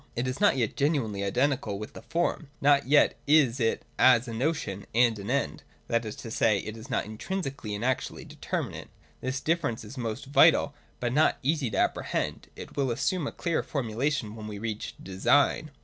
It is not yet genuinely identical with the form : not yet is it as a notion and an end ; that is to say, it is not intrinsically and actually determinate. This difference is most vital, but not easy to apprehend : it will assume a clearer formulation when we reach Design.